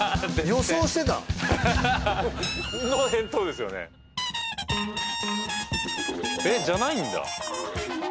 予想してたの？の返答ですよねえっじゃないんだ？